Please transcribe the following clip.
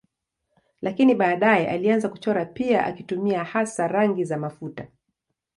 Lakini baadaye alianza kuchora pia akitumia hasa rangi za mafuta.